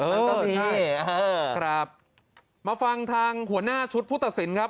เออต้องมีครับมาฟังทางหัวหน้าชุดพุทธสินครับ